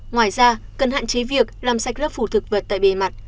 ngoài ra cần hạn chế việc làm sạch lớp phủ thực vật tại bề mặt